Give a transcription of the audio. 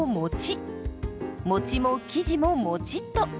もちも生地ももちっと。